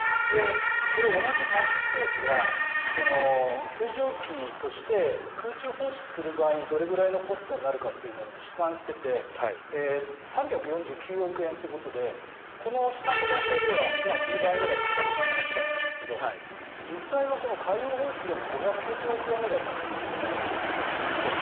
これ、同じタスクフォースが水蒸気として空中放出する場合にどれぐらいのコストになるかというのを試算していて３４９億円ということでこの試算の段階では１０倍ぐらいかかるという話だったんですが実際は海洋放出でも５９０億円ぐらいになっていますよね、もうすでに。